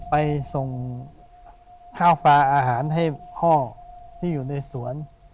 ไปส่งข้าวปลาอาหารให้พ่อที่อยู่ในสวน